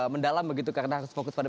mendalam begitu karena harus fokus pada